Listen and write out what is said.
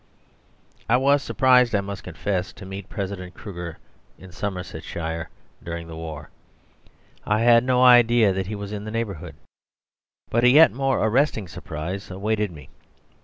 I was surprised, I must confess, to meet President Kruger in Somersetshire during the war. I had no idea that he was in the neighbourhood. But a yet more arresting surprise awaited me.